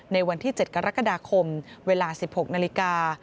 ในวันที่๗กรกฎาคมเวลา๑๖นาฬิกา